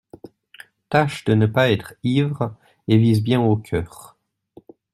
Tâche de ne pas être ivre, et vise bien au cœur.